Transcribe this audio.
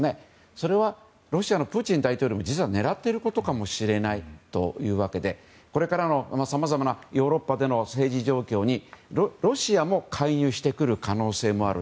それはロシアのプーチン大統領も実は狙ってることかもしれないというわけでこれからのさまざまなヨーロッパの政治状況にロシアも介入してくる可能性もある。